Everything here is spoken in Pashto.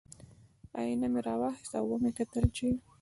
ائینه مې را واخیسته او ومې کتل چې